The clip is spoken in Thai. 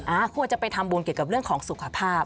อ้าวควรจะไปทำบุญเรื่องของสุขภาพ